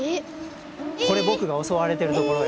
これ僕が襲われてるところよ。